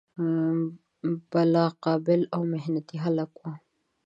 بلا قابل او محنتي هلک و.